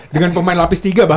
dengan pemain lapis tiga bahkan